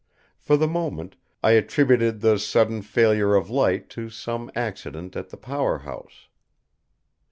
For the moment I attributed the sudden failure of light to some accident at the powerhouse.